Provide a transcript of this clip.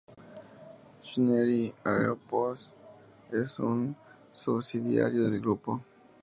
Synergy Aerospace es un subsidiario del grupo.